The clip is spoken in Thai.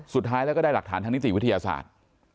สุดท้ายแล้วก็ได้หลักฐานทางนิติวิทยาศาสตร์